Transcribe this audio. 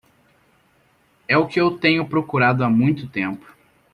É o que eu tenho procurado há muito tempo.